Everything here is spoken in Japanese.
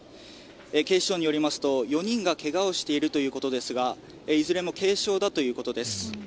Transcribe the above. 警視庁によりますと、４人がけがをしているということですがいずれも軽傷だということです。